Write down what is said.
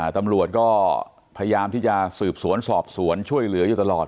ตำรวจก็พยายามที่จะสืบสวนสอบสวนช่วยเหลืออยู่ตลอด